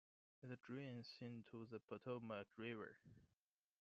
It drains into the Potomac River.